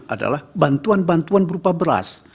adalah bantuan bantuan berupa beras